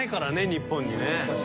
日本にね。